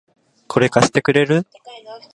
これ、貸してくれる？